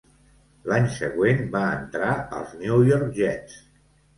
L'any següent va entrar als New York Jets.